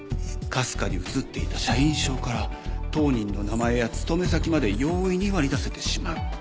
かすかに写っていた社員証から当人の名前や勤め先まで容易に割り出せてしまう。